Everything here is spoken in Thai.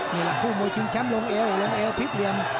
นี่แหละผู้มวยชิมแชมลงเอ็วลงเอ็วพลิกเรียน